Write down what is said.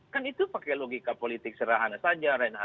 kan itu pakai logika politik sederhana saja reinhard